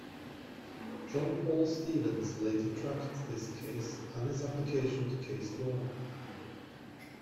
John Paul Stevens later tracked this case and its application to case law.